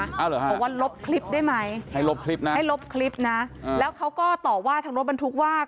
อ้าวเหรอฮะให้ลบคลิปนะแล้วเขาก็ตอบว่าทางรถบันทุกว่า